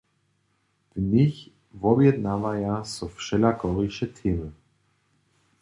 W nich wobjednawaja so najwšelakoriše temy.